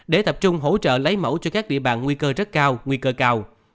để tập trung hỗ trợ lấy mẫu cho các địa bàn nguy cơ rất cao nguy cơ cao